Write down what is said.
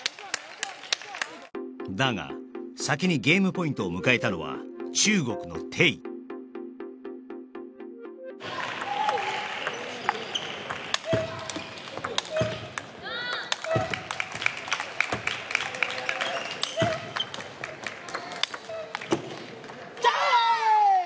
だが先にゲームポイントを迎えたのは中国の丁ヤー！